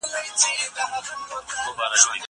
که وخت وي، ليکلي پاڼي ترتيب کوم!!